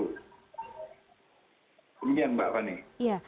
kemudian mbak fanny